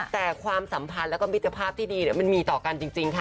แต่ความสัมพันธ์แล้วก็มิตรภาพที่ดีมันมีต่อกันจริงค่ะ